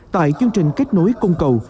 tại chương trình kết nối công cầu